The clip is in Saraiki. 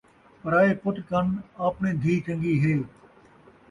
پرائے پُتر کن آپݨی دھی چن٘ڳی ہے